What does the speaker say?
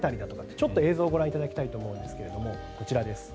ちょっと映像をご覧いただきたいと思いますがこちらです。